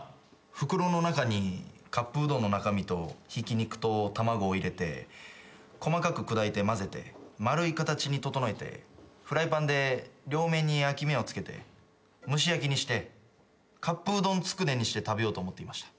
袋の中にカップうどんの中身とひき肉と卵を入れて細かく砕いて混ぜて丸い形に整えてフライパンで両面に焼き目をつけて蒸し焼きにしてカップうどんつくねにして食べようと思っていました。